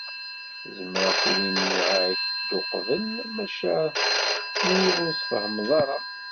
Zemreɣ tili nniɣ-ak-d uqbel, maca nwiɣ ur tfehhmeḍ ara.